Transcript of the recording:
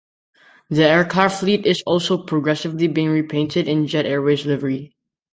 The aircraft fleet is also progressively being repainted in Jet Airways livery.